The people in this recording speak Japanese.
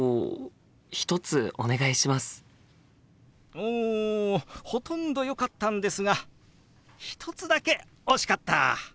おほとんどよかったんですが１つだけ惜しかった！